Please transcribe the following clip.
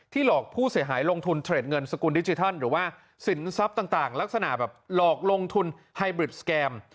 หลอกผู้เสียหายลงทุนเทรดเงินสกุลดิจิทัลหรือว่าสินทรัพย์ต่างลักษณะแบบหลอกลงทุนไฮบริดสแกม